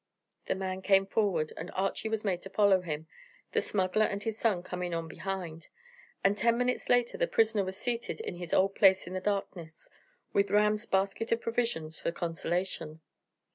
The man came forward, and Archy was made to follow him, the smuggler and his son coming on behind; and ten minutes later the prisoner was seated in his old place in the darkness, with Ram's basket of provisions for consolation.